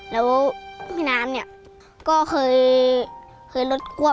แล้วพี่น้ำเนี่ยก็เคยรถควบ